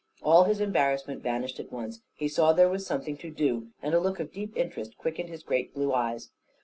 All his embarrassment vanished at once; he saw there was something to do; and a look of deep interest quickened his great blue eyes.